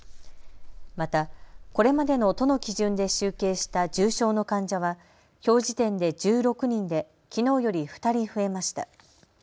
また、これまでの都の基準で集計した重症の患者はきょう時点で１６人できのうより２人増えました。